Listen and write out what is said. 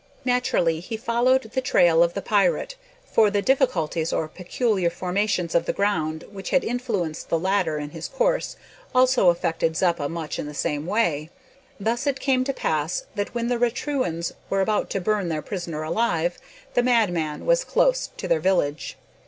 Naturally he followed the trail of the pirate, for the difficulties or peculiar formations of the ground which had influenced the latter in his course also affected Zeppa much in the same way. Thus it came to pass that when the Raturans were about to burn their prisoner alive, the madman was close to their village.